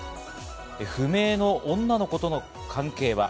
不明の女の子との関係は？